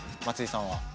松井さんは？